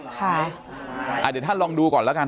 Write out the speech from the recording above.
เดี๋ยวท่านลองดูก่อนแล้วกัน